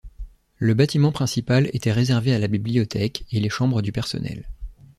Le bâtiment principal était réservé à la bibliothèque, et les chambres du personnel.